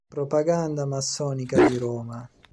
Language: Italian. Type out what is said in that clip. Propaganda Massonica di Roma".